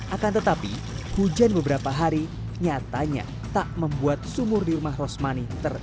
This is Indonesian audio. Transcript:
akan tetapi hujan beberapa hari nyatanya tak membuat sumur di rumah rose money tidak akan bebas